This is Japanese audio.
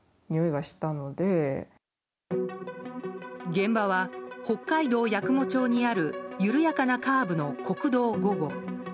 現場は北海道八雲町にある緩やかなカーブの国道５号。